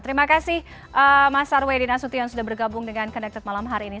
terima kasih mas arwedi nasution sudah bergabung dengan connected malam hari ini